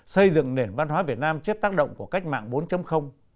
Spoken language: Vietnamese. xây dựng nền văn hóa việt nam trước tác động của cách mạng bốn